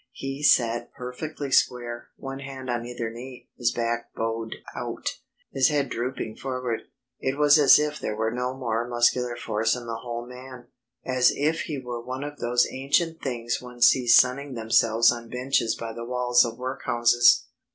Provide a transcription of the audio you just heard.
He sat perfectly square, one hand on either knee, his back bowed out, his head drooping forward. It was as if there were no more muscular force in the whole man as if he were one of those ancient things one sees sunning themselves on benches by the walls of workhouses.